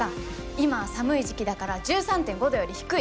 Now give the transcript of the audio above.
今は寒い時期だから１３．５度より低い！